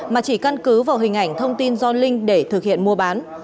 mà chỉ căn cứ vào hình ảnh thông tin do linh để thực hiện mua bán